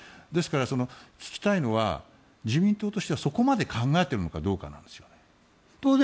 ですから、聞きたいのは自民党としてはそこまで考えてるのかどうかなんですよ。